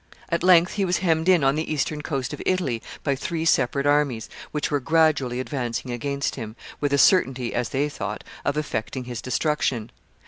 At length he was hemmed in on the eastern coast of Italy by three separate armies, which were gradually advancing against him, with a certainty, as they thought, of effecting his destruction.